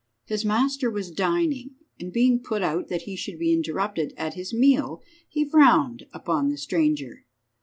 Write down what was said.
His master was dining, and being put out that he should be interrupted at his meal, he frowned upon the stranger.